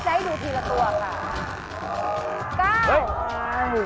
ใจอยู่ทีละตัวกล่ะ